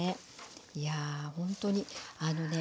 いやほんとにあのね